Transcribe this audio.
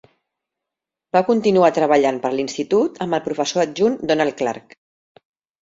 Va continuar treballant per a l'Institut amb el professor adjunt Donald Clark.